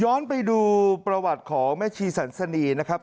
ไปดูประวัติของแม่ชีสันสนีนะครับ